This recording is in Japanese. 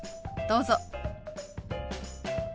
どうぞ。